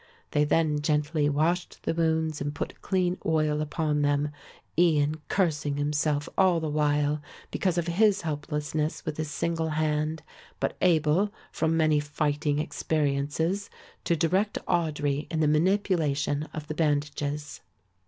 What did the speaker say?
They then gently washed the wounds and put clean oil upon them, Ian cursing himself all the while because of his helplessness with his single hand, but able from many fighting experiences to direct Audry in the manipulation of the bandages.